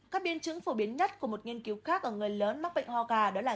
các biên chứng phổ biến nhất của một nghiên cứu khác ở người lớn mắc bệnh ho gà đó là